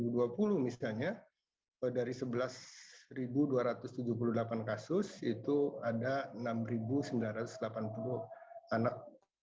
di dua ribu dua puluh misalnya dari sebelas dua ratus tujuh puluh delapan kasus itu ada enam sembilan ratus delapan puluh anak